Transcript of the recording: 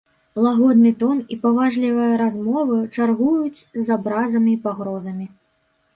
Лагодны тон і паважлівыя размовы чаргуюць з абразамі і пагрозамі.